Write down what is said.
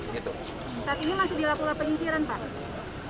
saat ini masih dilakukan penyisiran pak